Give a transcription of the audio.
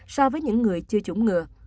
so với những người chưa chủng ngừa